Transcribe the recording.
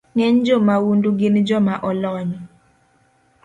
Ng’eny jomaundu gin joma olony